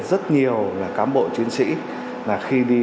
rất nhiều cám bộ chiến sĩ